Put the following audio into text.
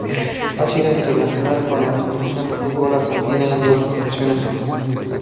Ha sido internacional con la Selección de fútbol de Argelia en dos ocasiones.